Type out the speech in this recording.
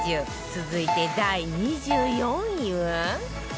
続いて第２４位は